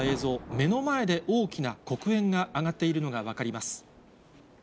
目の前で大きな黒煙が上がっているのが分かります。